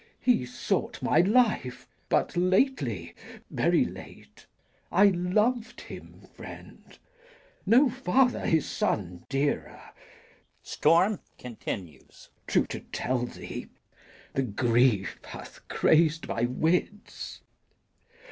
He sought my life But lately, very late. I lov'd him, friend No father his son dearer. True to tell thee, The grief hath craz'd my wits.